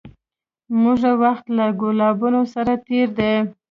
موږه وخت له ګلابونو سره تېر دی